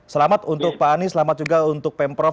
selamat untuk pak anies selamat juga untuk pemprov